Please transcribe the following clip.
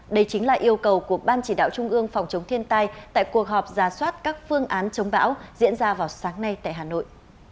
đây chính là yêu cầu của ban chỉ đạo trung ương phòng chống thiên tai tại cuộc họp ra soát các phương án chống bão diễn ra vào sáng nay tại hà nội